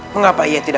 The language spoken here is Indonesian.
mengapa ia tidak bisa